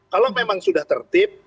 kalau memang sudah tertib